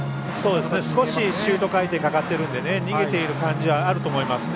少し、シュート回転かかっているので逃げている感じはあると思いますね。